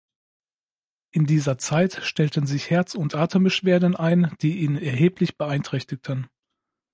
In dieser Zeit stellten sich Herz- und Atembeschwerden ein, die ihn erheblich beeinträchtigten.